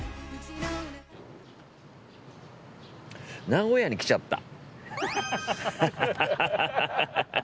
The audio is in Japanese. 名古屋に来ちゃった。